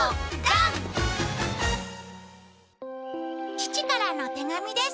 父からの手紙です。